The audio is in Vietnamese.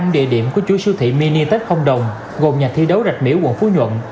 năm địa điểm của chuỗi sưu thị mini tết không đồng gồm nhà thi đấu rạch miễu quận phú nhuận